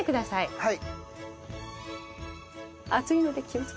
はい。